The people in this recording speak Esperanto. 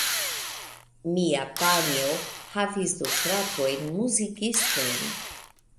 Mia panjo havis du fratojn muzikistojn.